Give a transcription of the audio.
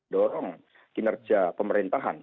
dorong kinerja pemerintahan